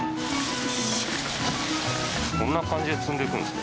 こんな感じで積んでいくんですか？